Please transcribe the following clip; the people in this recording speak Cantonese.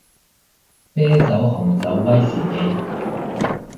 啤酒紅酒威士忌